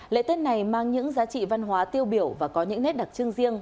lễ tết này mang những giá trị văn hóa tiêu biểu và có những nét đặc trưng riêng